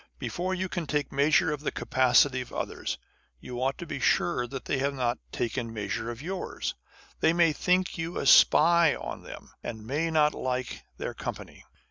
Before you can take measure of the capacity of others, you ought to be sure that they have not taken measure of yours. They may think you a spy on them, and may not like their company.